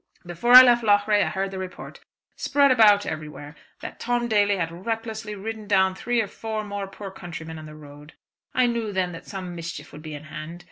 "Before I left Loughrea I heard the report, spread about everywhere, that Tom Daly had recklessly ridden down three or four more poor countrymen on the road. I knew then that some mischief would be in hand.